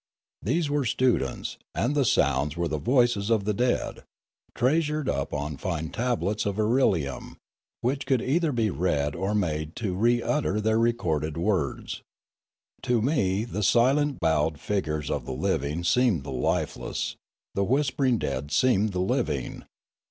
These were students, and the sounds were the voices of the dead, treasured up on fine tablets of irelium, which could either be read or made to re utter their recorded words. To me the silent bowed figures of the living seemed the lifeless, the whispering dead seemed the living.